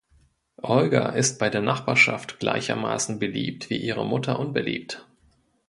Olga ist bei der Nachbarschaft gleichermaßen beliebt, wie ihre Mutter unbeliebt.